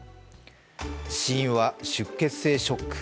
死因は出血性ショック。